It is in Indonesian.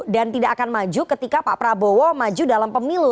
dan tidak akan maju ketika pak prabowo maju dalam pemilu